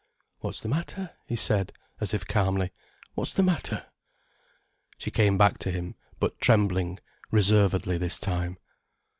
"What's the matter?" he said, as if calmly. "What's the matter?" She came back to him, but trembling, reservedly this time.